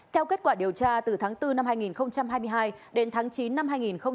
theo kết quả điều tra từ tháng bốn năm hai nghìn hai mươi hai đến tháng chín năm hai nghìn hai mươi ba